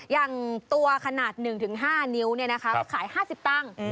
อย่างตัวขนาด๑๕นิ้วเนี่ยนะครับขาย๕๐ตั้ง